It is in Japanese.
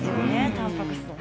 たんぱく質と。